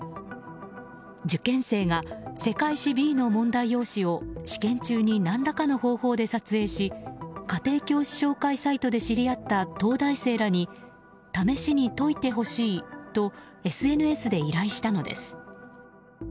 受験生が、世界史Ｂの問題用紙を試験中に何らかの方法で撮影し家庭教師紹介サイトで知り合った東大生らに試しに解いてほしいとＳＮＳで依頼したのです。